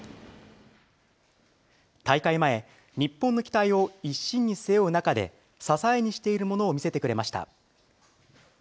大会前、日本の期待を一身に背負う中で、支えにしているものを見せてくれました。